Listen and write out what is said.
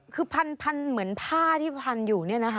คือพันเหมือนผ้าที่พันอยู่เนี่ยนะคะ